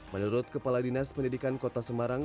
menurut kepala dinas pendidikan kota semarang